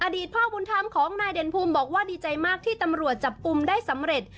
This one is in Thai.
พ่อบุญธรรมของนายเด่นภูมิบอกว่าดีใจมากที่ตำรวจจับกลุ่มได้สำเร็จ